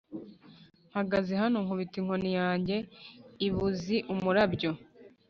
Mpagaze hano nkubita inkoni yanjye i Buzi-Umurabyo.